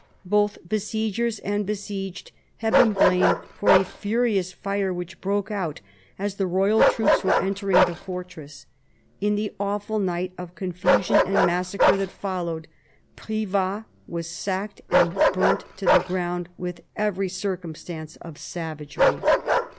Both besiegers and besieged have been blamed for a furious fire which broke out as the royal troops were entering the fortress ; in the awful night of confusion and massacre that followed, Privas was sacked and burnt to the ground with every circumstance of savagery.